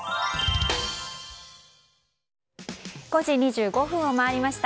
５時２５分を回りました。